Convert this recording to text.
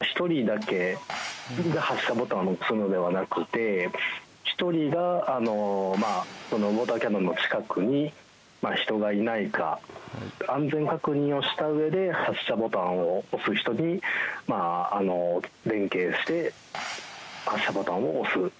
１人だけで発射ボタンを押すのではなくて１人がウォーターキャノンの近くに、人がいないか安全確認をしたうえで発射ボタンを押す人と連携して、発射ボタンを押す。